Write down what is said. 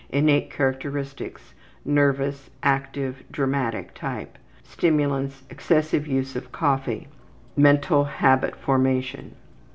Innate characteristics: nervous, active, dramatic type. Stimulants: excessive use of coffee. Mental habit formation.